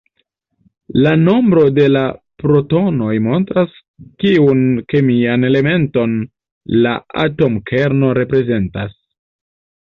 La nombro de la protonoj montras, kiun kemian elementon la atomkerno reprezentas.